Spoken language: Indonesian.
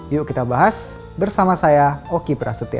yuk kita bahas bersama saya oki prasetyo